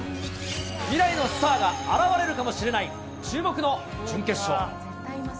未来のスターが現れるかもしれない、注目の準決勝。